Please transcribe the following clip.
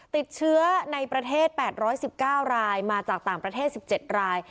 ติดเชื้อในประเทศแปดร้อยสิบเก้ารายมาจากต่างประเทศสิบเจ็ดราย